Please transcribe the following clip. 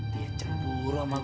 dia cek buru sama gue